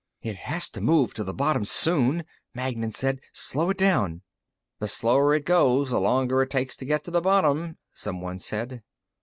"It has to move to the bottom soon," Magnan said. "Slow it down." "The slower it goes, the longer it takes to get to the bottom," someone said.